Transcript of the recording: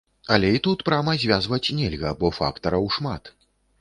Але і тут прама звязваць нельга, бо фактараў шмат.